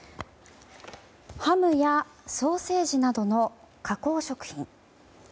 ハムやソーセージなどの加工食品。